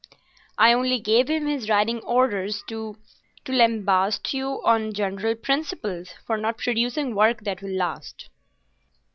"I only gave him his riding orders to—to lambast you on general principles for not producing work that will last."